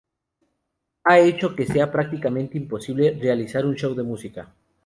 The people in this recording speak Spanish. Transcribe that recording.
Han hecho que sea prácticamente imposible realizar un show de música.